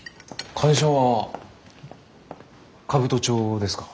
会社は兜町ですか？